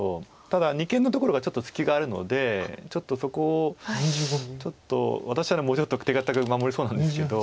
ただ二間のところがちょっと隙があるのでちょっとそこを私ならもうちょっと手堅く守りそうなんですけど。